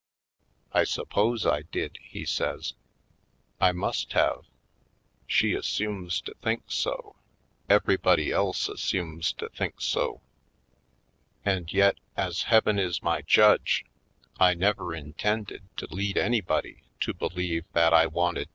"I suppose I did," he says. "I must have. She assumes to think so — everybody else assumes to think so. And yet, as Heaven is my judge, I never intended to lead anybody to believe that I wanted to 186